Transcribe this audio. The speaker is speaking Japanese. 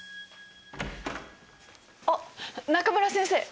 あっ中村先生。